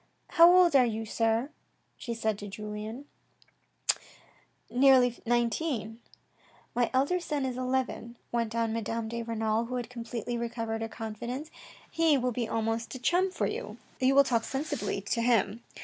" How old are you, sir, she said to Julien ?"" Nearly nineteen." " My elder son is eleven," went on Madame de Renal, who had completely recovered her confidence. " He will be almost a chum for you. You will talk sensibly to him.